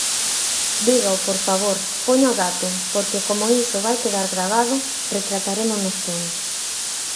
Dígao, por favor, poña o dato, porque como iso vai quedar gravado, retratarémonos todos.